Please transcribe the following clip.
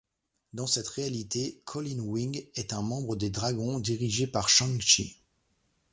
Dans cette réalité, Colleen Wing est un membre des Dragons dirigé par Shang-Chi.